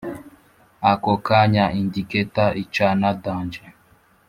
ako kanya indicater icana dange